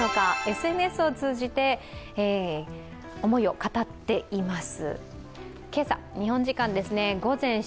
ＳＮＳを通じて思いを語っています。